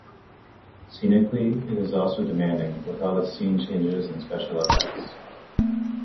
Scenically, it is also demanding, with all the scene changes and special effects.